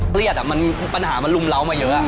ค่ะเดี๋ยวอ่ะมันปัญหามันรุมเล้ามาเยอะอ่ะ